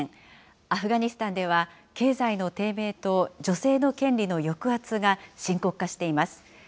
アフガニスタンでは経済の低迷と女性の権利の抑圧が深刻化しています。